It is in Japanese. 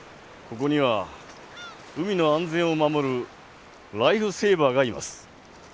ここには海の安全を守るライフセーバーがいます。